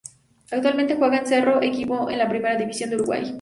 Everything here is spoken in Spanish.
Actualmente juega en Cerro, equipo de la Primera División de Uruguay.